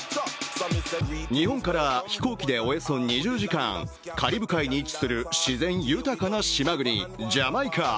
日本から飛行機でおよそ２０時間、カリブ海に位置する自然豊かな島国、ジャマイカ。